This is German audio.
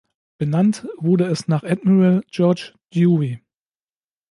Benannt wurde es nach Admiral George Dewey.